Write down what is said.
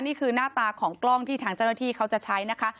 นี่คือหน้าตาของกล้องที่ทางเจ้าหน้าที่เขาจะใช้นะคะ